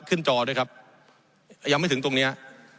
จอด้วยครับยังไม่ถึงตรงเนี้ย